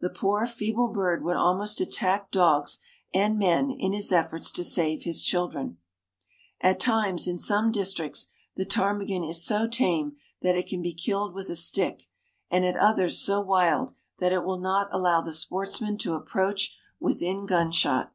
The poor, feeble bird would almost attack dogs and men in his efforts to save his children. At times, in some districts, the ptarmigan is so tame that it can be killed with a stick, and at others so wild that it will not allow the sportsman to approach within gun shot.